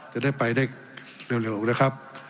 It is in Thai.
จะได้ไปได้เร็วนะครับ